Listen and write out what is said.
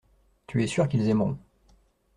Tu es sûr qu’ils aimeront.